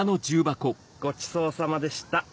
ごちそうさまでした。